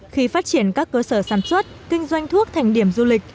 khi phát triển các cơ sở sản xuất kinh doanh thuốc thành điểm du lịch